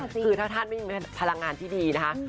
คือถ้าท่านไม่มีพลังงานที่ดีนะคะ